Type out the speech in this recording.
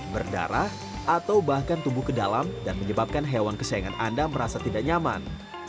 berdarah atau bahkan tumbuh ke dalam dan menyebabkan hewan kesayangan anda merasa tidak nyaman